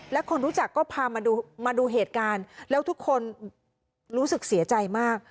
และคนรู้จักก็พามาดูเหตุการณ์แล้วทุกคนรู้สึกเสียใจมาก